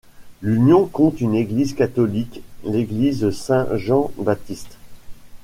L'Union compte une église catholique, l'église Saint-Jean-Baptiste.